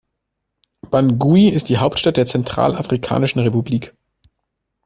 Bangui ist die Hauptstadt der Zentralafrikanischen Republik.